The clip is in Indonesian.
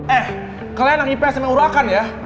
eh kalian yang ips nya urakan ya